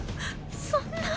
そんな。